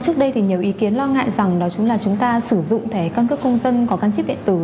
trước đây thì nhiều ý kiến lo ngại rằng đó chúng là chúng ta sử dụng thẻ căn cước công dân có căn chip điện tử